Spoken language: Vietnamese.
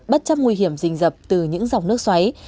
bất chấp nguy hiểm rình rập từ những dòng nước xoáy